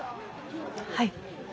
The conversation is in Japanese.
はい。